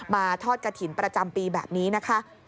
ทอดกระถิ่นประจำปีแบบนี้นะคะ